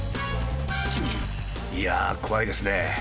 いやあ怖いですね。